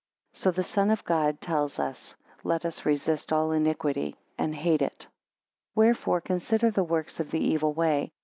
So the Son of God tells us; Let us resist all iniquity and hate it. 11 Wherefore consider the works of the evil way.